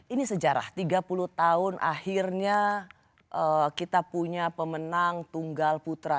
ini sejarah tiga puluh tahun akhirnya kita punya pemenang tunggal putra